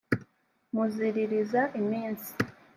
muziririza iminsi